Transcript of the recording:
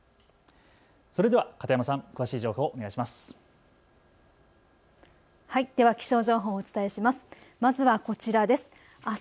それでは片山さん詳しい情報をお願いします。